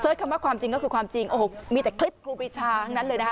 คำว่าความจริงก็คือความจริงโอ้โหมีแต่คลิปครูปีชาทั้งนั้นเลยนะคะ